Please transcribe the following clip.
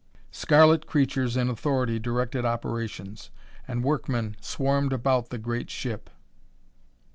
Scarlet creatures in authority directed operations, and workmen swarmed about the great ship.